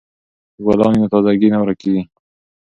که ګلان وي نو تازه ګي نه ورکیږي.